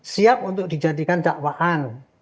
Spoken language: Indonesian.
siap untuk dijadikan dakwaan